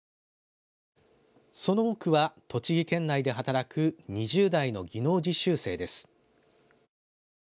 その多くは栃木県内で働く２０代の技能実習生です。